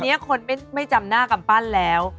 เดี๋ยวจะบอกคือตอนนี้คนไม่จำหน้ากับปั้นแล้ว